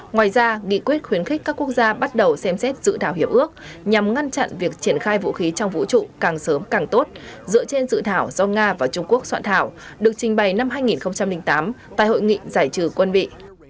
ngoài ra nghị quyết khuyến khích các quốc gia bắt đầu xem xét dự thảo hiệp ước nhằm ngăn chặn việc triển khai vũ khí trong vũ trụ càng sớm càng tốt dựa trên dự thảo do nga và trung quốc soạn thảo được trình bày năm hai nghìn tám tại hội nghị giải trừ quân bị